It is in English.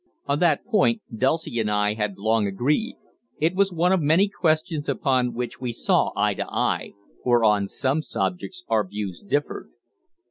On that point Dulcie and I had long been agreed; it was one of many questions upon which we saw eye to eye, for on some subjects our views differed.